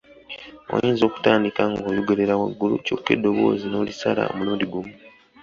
Oyinza okutandika ng'oyogerera waggulu kyokka eddoboozi n'olisala omulundi gumu.